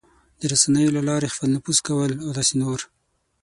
د رسنیو له لارې خپل نفوذ کول او داسې نور...